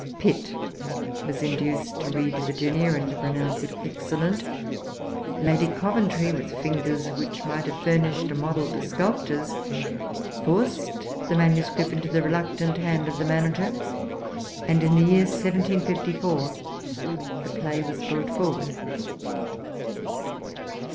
Pitt was induced to read Virginia, and to pronounce it excellent. Lady Coventry, with fingers which might have furnished a model to sculptors, forced the manuscript into the reluctant hand of the manager; and, in the year 1754, the play was brought forward.